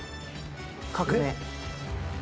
革命！